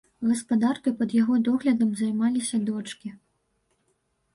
Гаспадаркай пад яго доглядам займаліся дочкі.